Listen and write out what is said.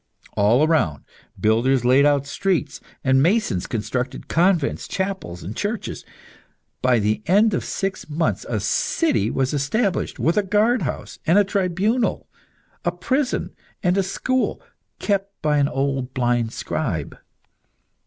All around, builders laid out streets, and masons constructed convents, chapels, and churches. By the end of six months a city was established with a guardhouse, a tribunal, a prison, and a school, kept by an old blind scribe.